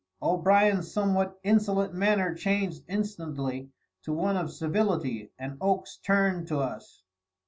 O'Brien's somewhat insolent manner changed instantly to one of civility, and Oakes turned to us.